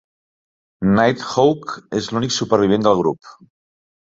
Nighthawk és l'únic supervivent del grup.